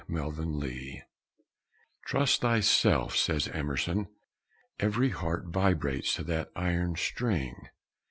THE GIFT "Trust thyself," says Emerson; "every heart vibrates to that iron string."